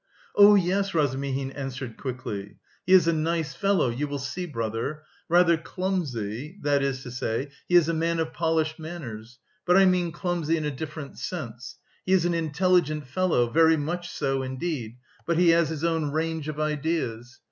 "Oh, yes," Razumihin answered quickly. "He is a nice fellow, you will see, brother. Rather clumsy, that is to say, he is a man of polished manners, but I mean clumsy in a different sense. He is an intelligent fellow, very much so indeed, but he has his own range of ideas....